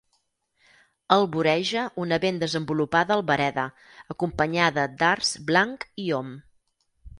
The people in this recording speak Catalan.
El voreja una ben desenvolupada albereda, acompanyada d'arç blanc i om.